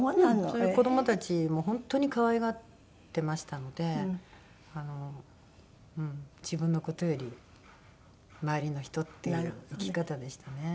それで子どもたちも本当に可愛がってましたのであのうん自分の事より周りの人っていう生き方でしたね。